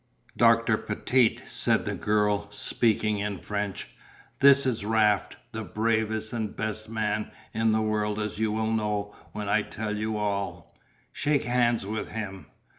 "Doctor Petit," said the girl, speaking in French, "this is Raft, the bravest and best man in the world as you will know when I tell you all. Shake hands with him."